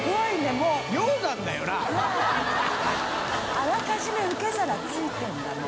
あらかじめ受け皿ついてるんだもう。